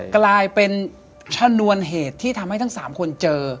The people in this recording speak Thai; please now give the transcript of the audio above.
กลายเป็นชนวนเหตุที่ทำให้ทั้ง๓คนเจอ